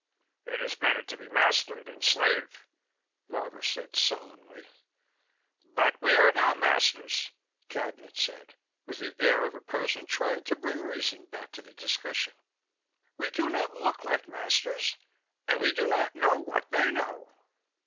"It is better to be master than slave," Marvor said sullenly. "But we are not masters," Cadnan said, with the air of a person trying to bring reason back to the discussion. "We do not look like masters, and we do not know what they know."